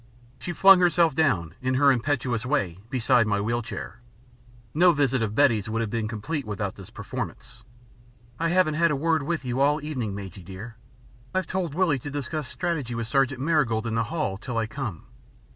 She flung herself down, in her impetuous way, beside my wheel chair. No visit of Betty's would have been complete without this performance. "I haven't had a word with you all the evening, Majy, dear. I've told Willie to discuss strategy with Sergeant Marigold in the hall, till I come.